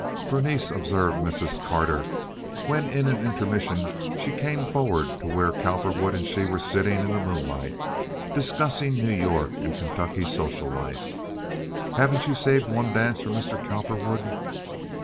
"Berenice," observed Mrs. Carter, when in an intermission she came forward to where Cowperwood and she were sitting in the moonlight discussing New York and Kentucky social life, "haven't you saved one dance for Mr. Cowperwood?"